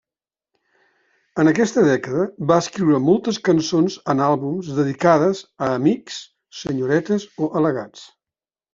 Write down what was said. En aquesta dècada va escriure moltes cançons en àlbums dedicades a amics, senyoretes o al·legats.